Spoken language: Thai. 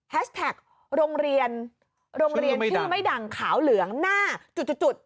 แฮชแท็กโรงเรียนชื่อไม่ดังขาวเหลืองหน้าจุด